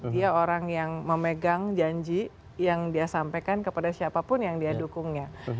dia orang yang memegang janji yang dia sampaikan kepada siapapun yang dia dukungnya